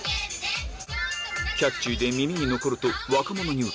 キャッチーで耳に残ると若者にウケ